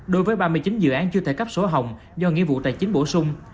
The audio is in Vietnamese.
đối với ba mươi chín dự án chưa thể cấp sổ hồng do nghĩa vụ tài chính bổ sung